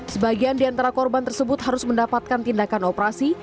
sebagian diantara korban tersebut harus mendapatkan tindakan operasi